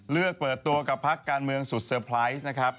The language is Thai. เลือกเปิดตัวกับพักการเมืองสุดเซอร์ไพรส์นะครับ